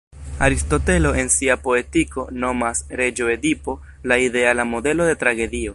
Aristotelo en sia "Poetiko" nomas "Reĝo Edipo" la ideala modelo de tragedio.